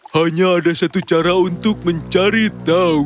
hanya ada satu cara untuk mencari tahu